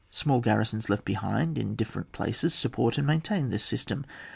Small garrisons left behind in dif ferent places support and maintain this system.